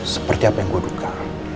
seperti apa yang gue duka